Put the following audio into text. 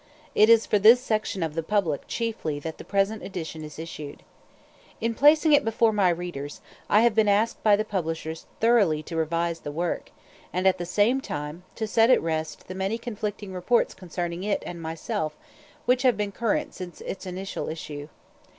It is for this section of the public chiefly that the present edition is issued. In placing it before my new readers, I have been asked by the publishers thoroughly to revise the work, and, at the same time, to set at rest the many conflicting reports concerning it and myself, which have been current since its initial issue.